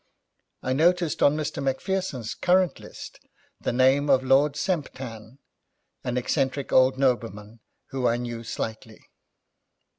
I noticed on Mr. Macpherson's current list the name of Lord Semptam, an eccentric old nobleman whom I knew slightly.